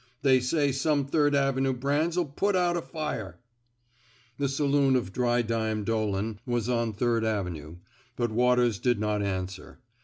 They say some Third Avenue brands '11 put out a fire." The saloon of Dry Dime " Dolan was on Third Avenue, but Waters did not an swer.